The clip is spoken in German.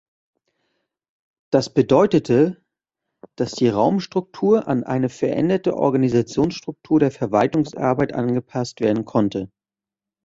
Das bedeutete, dass die Raumstruktur an eine veränderte Organisationsstruktur der Verwaltungsarbeit angepasst werden konnte.